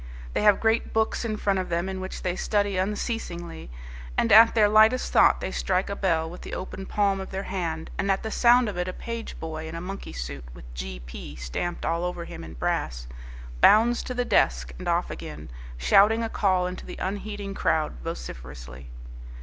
They have great books in front of them in which they study unceasingly, and at their lightest thought they strike a bell with the open palm of their hand, and at the sound of it a page boy in a monkey suit, with G.P. stamped all over him in brass, bounds to the desk and off again, shouting a call into the unheeding crowd vociferously.